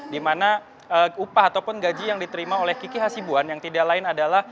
dimana upah ataupun gaji yang diterima oleh kiki hasibuan yang tidak lain adalah